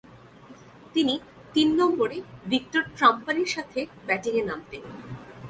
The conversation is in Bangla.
তিনি তিন নম্বরে ভিক্টর ট্রাম্পারের সাথে ব্যাটিংয়ে নামতেন।